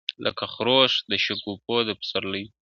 لکه خروښ د شګوفو د پسرلیو !.